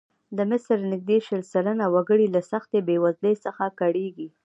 د مصر نږدې شل سلنه وګړي له سختې بېوزلۍ څخه کړېږي.